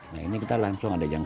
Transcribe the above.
nah ini kita langsung ada yang